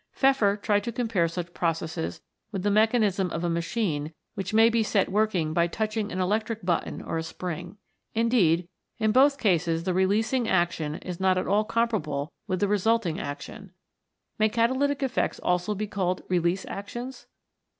Pfeffer tried to compare such processes with the mechanism of a machine which may be set working by touching an electric button or a spring. Indeed, in both cases the releasing action is not at all comparable with the resulting action. May catalytic effects also be called release actions